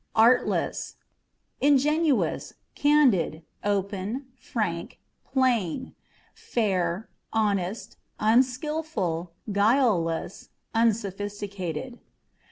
Artless â€" ingenuous, candid, open, frank, plain ; fair, honest, unskilful, guileless, unsophisticated.